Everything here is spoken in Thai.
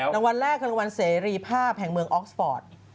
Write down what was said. รางวัลแรกคือรางวัลเสรีภาพแห่งเมืองออกสปอร์ต